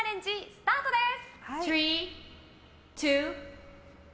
スタートです。